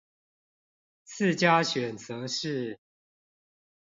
次佳選擇是